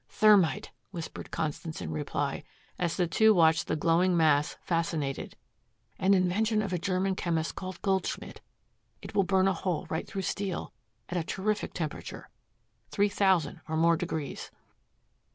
"Thermit," whispered Constance in reply, as the two watched the glowing mass fascinated, "an invention of a German chemist named Goldschmidt. It will burn a hole right through steel at a terrific temperature, three thousand or more degrees."